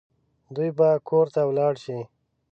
دوی به کور ته ولاړ شي